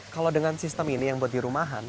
kalau dengan sistem ini yang buat di rumahan